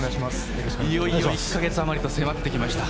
いよいよ１か月あまりと迫ってきました。